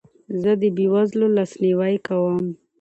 زه د بې وزلو لاسنیوی کوم.